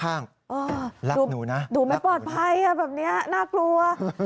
รูปหนูนะหนูไม่ปลอดภัยแบบนี้น่ากลัว